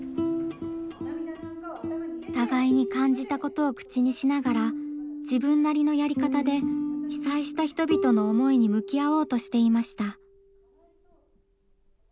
互いに感じたことを口にしながら自分なりのやり方で被災した人々の思いに向き合おうとしていました。